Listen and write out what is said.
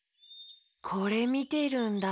これみてるんだ。